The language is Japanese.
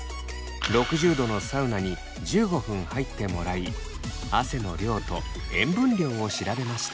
６０℃のサウナに１５分入ってもらい汗の量と塩分量を調べました。